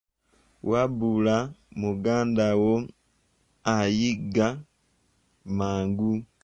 Wabula muganda wo anyiiga mangu!